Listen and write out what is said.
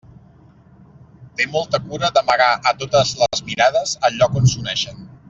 Té molta cura d'amagar a totes les mirades el lloc on s'uneixen.